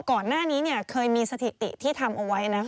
ก่อนหน้านี้เคยมีสถิติที่ทำเอาไว้นะ